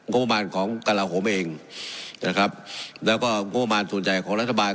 กรมบาลของกราโหมเองนะครับแล้วก็กรมบาลส่วนใหญ่ของรัฐบาล